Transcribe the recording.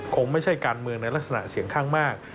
คงไม่ใช่การเมืองในลักษณะเสียงข้างมาก